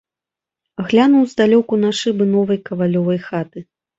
Глянуў здалёку на шыбы новай кавалёвай хаты.